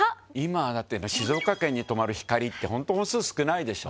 だって静岡県に止まるひかりって榲本数少ないでしょ？